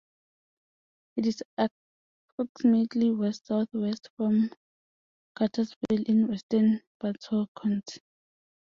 It is approximately west-south-west from Cartersville in western Bartow County.